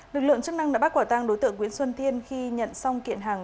lực lượng chức năng đã bắt quả tang đối tượng nguyễn xuân thiên khi nhận xong kiện hàng